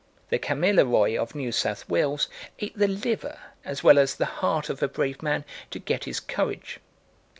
The Kamilaroi of New South Wales ate the liver as well as the heart of a brave man to get his courage.